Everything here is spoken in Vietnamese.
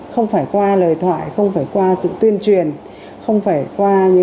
không phải qua lời thoại không phải qua sự tuyên truyền